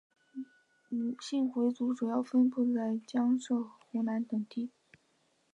伍姓回族主要分布在江浙和湖南等地。